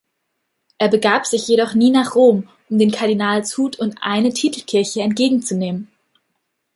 Er begab sich jedoch nie nach Rom, um den Kardinalshut und eine Titelkirche entgegenzunehmen.